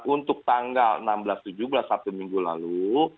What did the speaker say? untuk tanggal enam belas tujuh belas sabtu minggu lalu